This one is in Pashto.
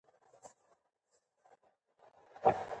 په افغانستان کې رسوب د خلکو د اعتقاداتو سره تړاو لري.